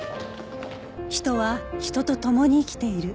人は人と共に生きている